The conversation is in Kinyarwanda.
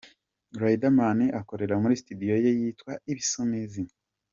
Riderman akorera muri Studio ye yitwa Ibizumizi.